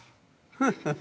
フフフ。